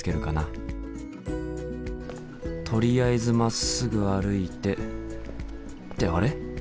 とりあえずまっすぐ歩いてってあれ？